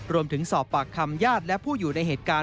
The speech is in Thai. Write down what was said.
รวมถึงสอบปากคำญาติและผู้อยู่ในเหตุการณ์